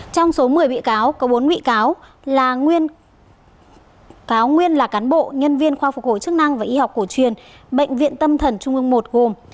trong số một mươi bị cáo có bốn bị cáo là cáo nguyên là cán bộ nhân viên khoa phục hồi chức năng và y học cổ truyền bệnh viện tâm thần trung ương một gồm